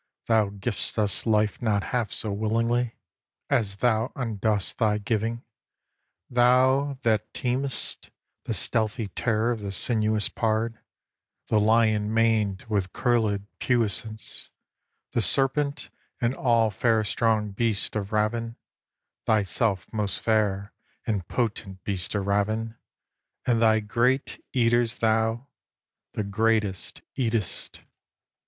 Thou giv'st us life not half so willingly As thou undost thy giving; thou that teem'st The stealthy terror of the sinuous pard, The lion maned with curlèd puissance, The serpent, and all fair strong beasts of ravin, Thyself most fair and potent beast of ravin; And thy great eaters thou, the greatest, eat'st.